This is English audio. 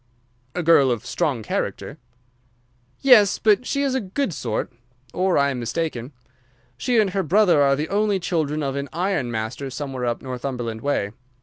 "A girl of strong character." "Yes, but she is a good sort, or I am mistaken. She and her brother are the only children of an iron master somewhere up Northumberland way.